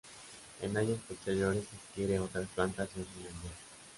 En años posteriores, adquiere otras plantas en Finlandia.